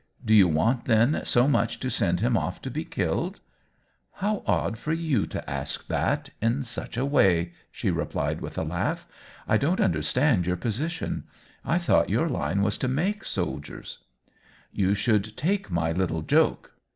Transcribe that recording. " Do you want, then, so much to send him off to be killed ?"" How odd for you to ask that — in such a way !" she replied, with a laugh. " I don't understand your position ; I thought your line was to make soldiers !" OWEN WINGRAVE 205 " You should take my little joke.